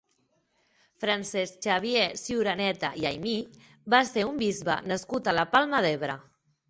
Francesc Xavier Ciuraneta i Aymí va ser un bisbe nascut a la Palma d'Ebre.